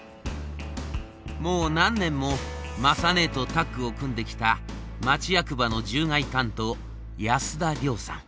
もう何年も雅ねえとタッグを組んできた町役場の獣害担当安田亮さん。